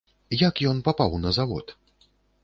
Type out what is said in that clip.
Як ён папаў на завод?